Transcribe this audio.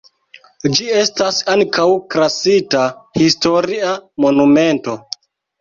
Ĝi estas ankaŭ klasita historia monumento.